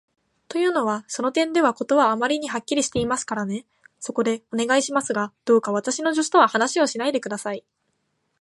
というのは、その点では事はあまりにはっきりしていますからね。そこで、お願いしますが、どうか私の助手とは話をしないで下さい。